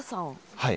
はい。